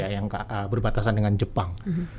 yang berbatasan dengan jepang